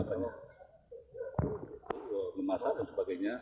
memasak dan sebagainya